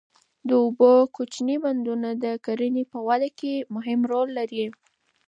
د اوبو کوچني بندونه د کرنې په وده کې مهم رول لري.